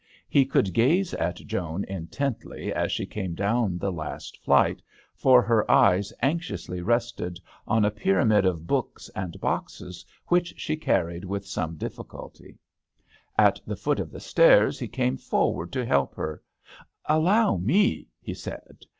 He could gaze at Joan intently as she came down the last flight, for her eyes anxiously rested on a pyramid of books and boxes which she car lied with some difliculty. At the (THE HdXEL D'ANGLETERRS. 3I foot of the stairs he came for ward to help her. " Allow me " he said.